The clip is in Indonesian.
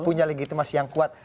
punya legitimasi yang kuat